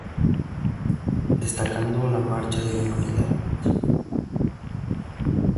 Destacando La Marcha de la Humanidad.